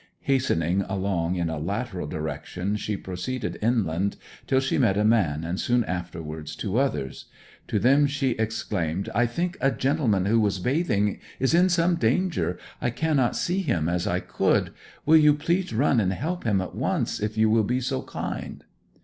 Hastening along in a lateral direction she proceeded inland till she met a man, and soon afterwards two others. To them she exclaimed, 'I think a gentleman who was bathing is in some danger. I cannot see him as I could. Will you please run and help him, at once, if you will be so kind?'